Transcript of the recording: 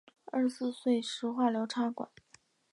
二十四岁时化疗插管